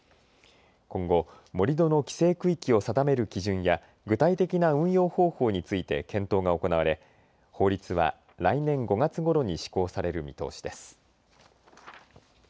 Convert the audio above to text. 今後、盛り土の規制区域を定める基準や具体的な運用方法について検討が行われ法律は来年５月ごろに施行される見通しです。